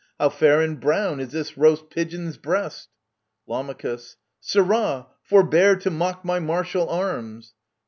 How fair and brown is this roast pigeon's breast ! Lam. Sirrah ! forbear to mock my martial arms